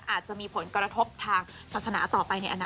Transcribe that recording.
อาจจะมีผลกระทบทางศาสนาต่อไปในอนาค